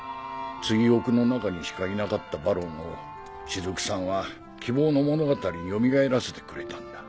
追憶の中にしかいなかったバロンを雫さんは希望の物語によみがえらせてくれたんだ。